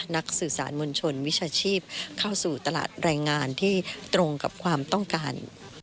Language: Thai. สื่อสารมวลชนวิชาชีพเข้าสู่ตลาดแรงงานที่ตรงกับความต้องการ